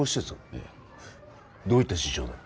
ええどういった事情で？